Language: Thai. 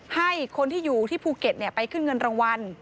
ให้คนที่อยู่ที่ภูเก็ตไปขึ้นเงินรางวัล